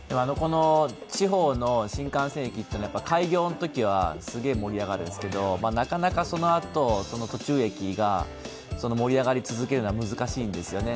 地方の新幹線駅というのは開業のときはすごい盛り上がるんですけど、なかなか、そのあと、途中駅が盛り上がり続けるのは難しいんですよね。